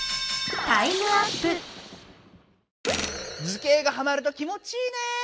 図形がはまると気持ちいいね。